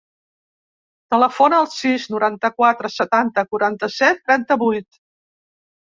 Telefona al sis, noranta-quatre, setanta, quaranta-set, trenta-vuit.